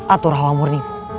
atur rawa murnimu